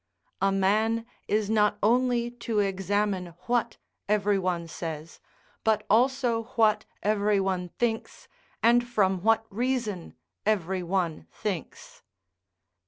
["A man is not only to examine what every one says, but also what every one thinks, and from what reason every one thinks."